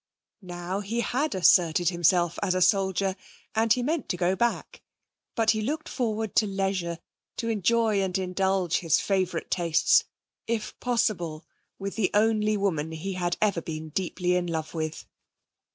Now he had asserted himself as a soldier, and he meant to go back. But he looked forward to leisure to enjoy and indulge his favourite tastes, if possible, with the only woman he had ever been deeply in love with.